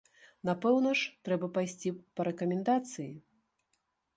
Напэўна ж, трэба пайсці па рэкамендацыі.